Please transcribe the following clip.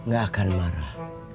gak akan marah